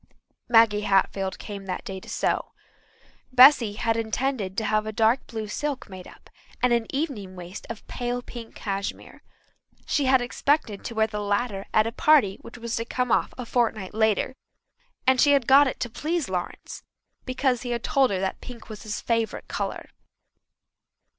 Maggie Hatfield came that day to sew. Bessy had intended to have a dark blue silk made up and an evening waist of pale pink cashmere. She had expected to wear the latter at a party which was to come off a fortnight later, and she had got it to please Lawrence, because he had told her that pink was his favourite colour.